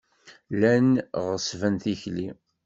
Llan ɣeṣṣben tikli.